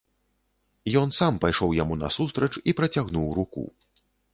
Ён сам пайшоў яму насустрач і працягнуў руку.